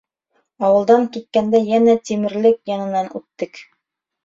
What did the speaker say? Ауылдан киткәндә йәнә тимерлек янынан үттек.